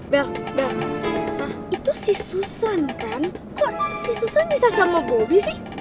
bel bel itu si susan kan kok si susan bisa sama bobby sih